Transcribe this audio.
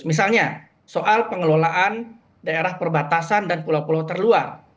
misalnya soal pengelolaan daerah perbatasan dan pulau pulau terluar